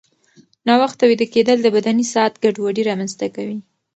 ناوخته ویده کېدل د بدني ساعت ګډوډي رامنځته کوي.